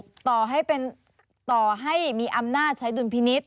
ต่อให้เป็นต่อให้มีอำนาจใช้ดุลพินิษฐ